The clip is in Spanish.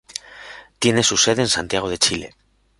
Tiene su sede en Santiago de Chile.